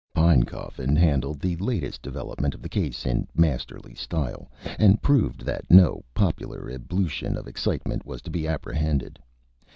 Pinecoffin handled the latest development of the case in masterly style, and proved that no "popular ebullition of excitement was to be apprehended."